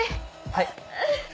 はい。